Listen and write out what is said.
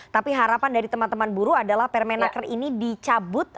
tapi harapan dari teman teman buruh adalah permenaker ini dicabut ataupun dibatal karena itu